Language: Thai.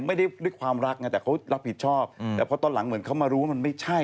ก็ไม่ได้ด้วยความรักแน่แต่เขารักผิดชอบแต่เพราะตอนหลังเหมือนเขามารู้ว่ามันไม่ใช่